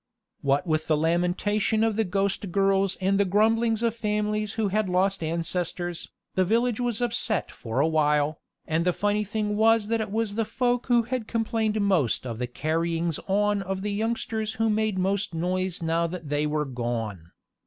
What with the lamentations of the ghost girls and the grumblings of families who had lost ancestors, the village was upset for a while, and the funny thing was that it was the folk who had complained most of the carryings on of the youngsters who made most noise now that they were gone.